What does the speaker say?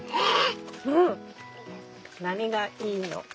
何がいいのか。